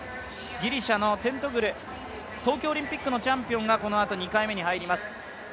ギリシャのテントグル、東京オリンピックのチャンピオンがこのあと２回目に入ります。